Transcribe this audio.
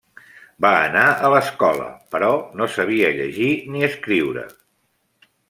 Va anar a l'escola, però no sabia llegir ni escriure.